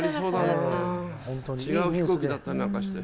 違う飛行機だったりなんかして。